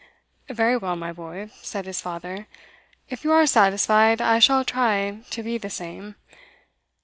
'Very well, my boy,' said his father. 'If you are satisfied, I shall try to be the same.